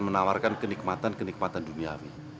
menawarkan kenikmatan kenikmatan duniawi